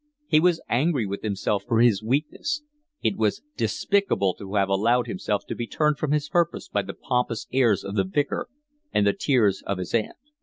He was angry with himself for his weakness. It was despicable to have allowed himself to be turned from his purpose by the pompous airs of the Vicar and the tears of his aunt.